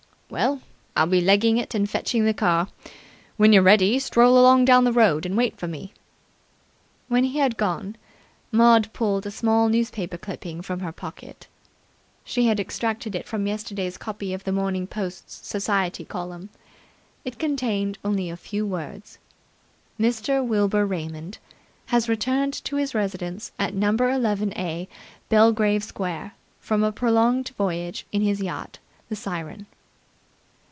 "Well, I'll be legging it and fetching the car. When you're ready, stroll along down the road and wait for me." When he had gone Maud pulled a small newspaper clipping from her pocket. She had extracted it from yesterday's copy of the Morning Post's society column. It contained only a few words: "Mr. Wilbur Raymond has returned to his residence at No. 11a Belgrave Square from a prolonged voyage in his yacht, the Siren."